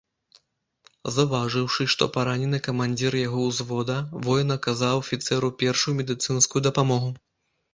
Заўважыўшы, што паранены камандзір яго ўзвода, воін аказаў афіцэру першую медыцынскую дапамогу.